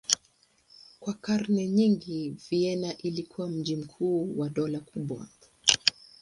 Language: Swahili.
Kwa karne nyingi Vienna ilikuwa mji mkuu wa dola kubwa.